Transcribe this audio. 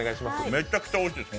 めっちゃくちゃおいしいです。